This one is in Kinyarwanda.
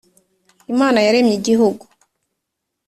imana yaremye igihugu